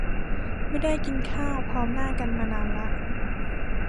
ไม่ได้กินข้าวพร้อมหน้ากันมานานละ